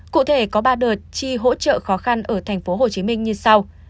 cụ thể có ba đợt chi hỗ trợ khó khăn ở tp hcm như sau